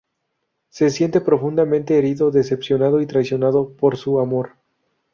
Se siente profundamente herido, decepcionado y traicionado por su amor.